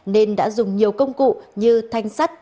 nên đã dùng nhiều công cụ như thanh sắt